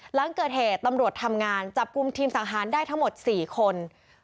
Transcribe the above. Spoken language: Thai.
หลังเกิดเหตุตำรวจทำงานจับกลุ่มทีมสังหารได้ทั้งหมด๔คน